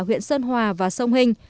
huyện sơn hòa và sông hình